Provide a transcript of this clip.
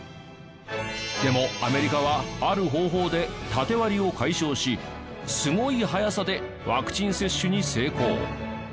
でもアメリカはある方法でタテ割りを解消しすごい早さでワクチン接種に成功。